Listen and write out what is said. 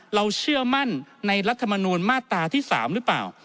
เชื่อมั่นในรัฐมนูลมาตราที่๓หรือเปล่า